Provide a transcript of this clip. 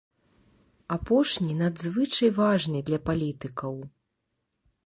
Апошні надзвычай важны для палітыкаў.